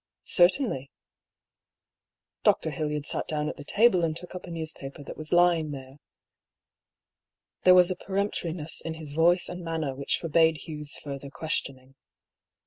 " Certainly." Dr. Hildyard sat down at the table and took up a newspaper that was lying there. There was a peremp toriness in his voice and manner which forbade Hugh's further questioning.